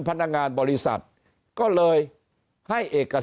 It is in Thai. พนังงานบริษัทก็เลยให้เอกสิทธิ์